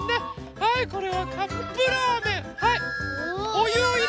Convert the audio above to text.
はいこれはカップラーメン。